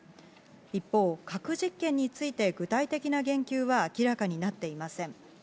一方、核実験について具体的な言及は明らかになっていません。